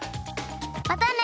またね。